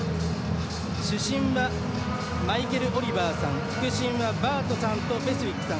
主審は、マイケル・オリバーさん副審はバートさんとネスビットさん。